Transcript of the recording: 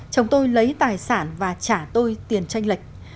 chồng tôi lấy tài sản và trả tôi tiền tranh lệch